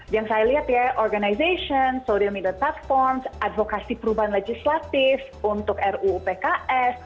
yang saya lihat ya organization social media platforms advokasi perubahan legislatif untuk ruupks